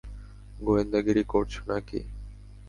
গোয়েন্দাগিরি করছো নাকি?